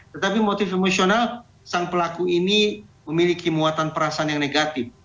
tetapi motif emosional sang pelaku ini memiliki muatan perasaan yang negatif